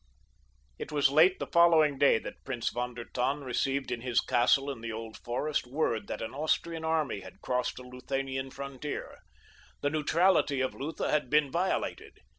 It was late the following day that Prince von der Tann received in his castle in the Old Forest word that an Austrian army had crossed the Luthanian frontier—the neutrality of Lutha had been violated.